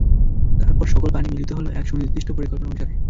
তারপর সকল পানি মিলিত হলো এক সুনির্দিষ্ট পরিকল্পনা অনুসারে।